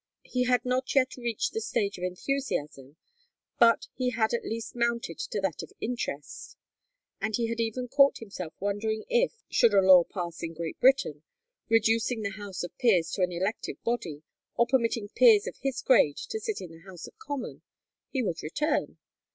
He had not yet reached the stage of enthusiasm, but he had at least mounted to that of interest; and he had even caught himself wondering if, should a law pass in Great Britain, reducing the House of Peers to an elective body, or permitting peers of his grade to sit in the House of Commons, he would return?